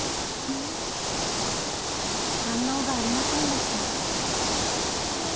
反応がありませんでした。